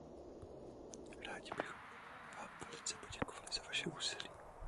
Rádi bychom vám velice poděkovali za vaše úsilí.